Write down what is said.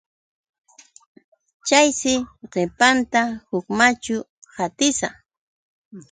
Chayshi qipanta huk machu atisa.